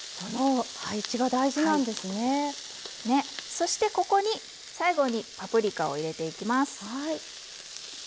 そしてここに最後にパプリカを入れていきます。